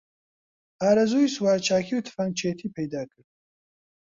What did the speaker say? ئارەزووی سوارچاکی و تفەنگچێتی پەیدا کرد